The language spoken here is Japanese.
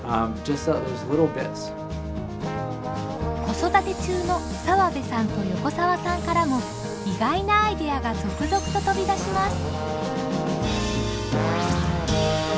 子育て中の澤部さんと横澤さんからも意外なアイデアが続々と飛び出します。